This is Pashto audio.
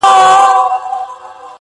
• په نصیب دي د هغه جهان خواري ده -